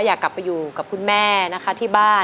อยากกลับไปอยู่กับคุณแม่นะคะที่บ้าน